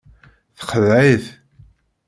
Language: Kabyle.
Texdeɛ-it.